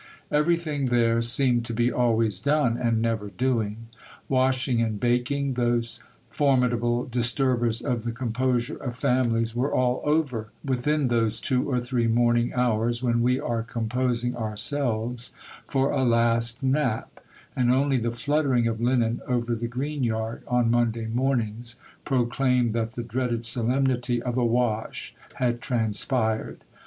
Everything there seemed to be always done, and never doing. Washing and baking, those formidable disturbers of the composure of families, were all over within those two or three morning hours when we are composing ourselves for a last nap,—and only the fluttering of linen over the green yard, on Monday mornings, proclaimed that the dreaded solemnity of a wash had transpired.